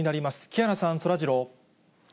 木原さん、そらジロー。